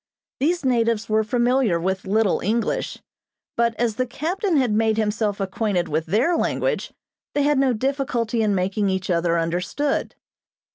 These natives were familiar with little English, but as the captain had made himself acquainted with their language they had no difficulty in making each other understood.